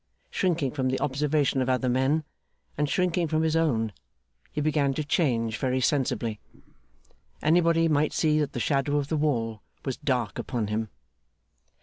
Shrinking from the observation of other men, and shrinking from his own, he began to change very sensibly. Anybody might see that the shadow of the wall was dark upon him.